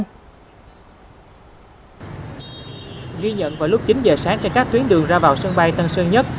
ghi nhận vào lúc chín giờ sáng trên các tuyến đường ra vào sân bay tân sơn nhất